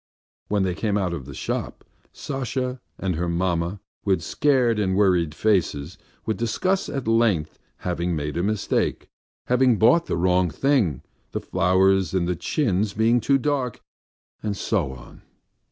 When they came out of the shop, Sasha and her mamma with scared and worried faces would discuss at length having made a mistake, having bought the wrong thing, the flowers in the chintz being too dark, and so on.